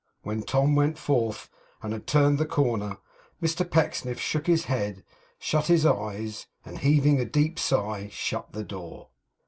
When Tom went forth, and had turned the corner Mr Pecksniff shook his head, shut his eyes, and heaving a deep sigh, shut the door.